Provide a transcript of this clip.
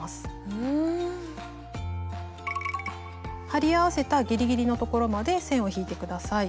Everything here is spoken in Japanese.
貼り合わせたギリギリのところまで線を引いて下さい。